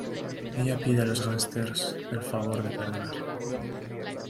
Ella pide a los gánsteres el favor de perdonarlo.